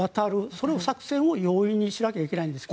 その作戦を容易にしなければいけないんですが。